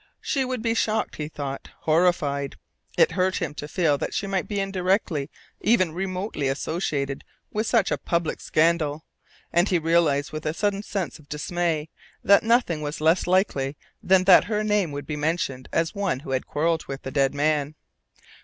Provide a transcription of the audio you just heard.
She would be shocked, he thought horrified. It hurt him to feel that she might be indirectly, even remotely associated with such a public scandal, and he realised with a sudden sense of dismay that nothing was less unlikely than that her name would be mentioned as one who had quarrelled with the dead man.